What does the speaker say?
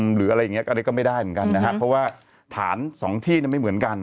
หรืออะไรอย่างเงี้อันนี้ก็ไม่ได้เหมือนกันนะครับเพราะว่าฐานสองที่ไม่เหมือนกัน